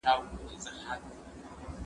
زه لاس نه پرېولم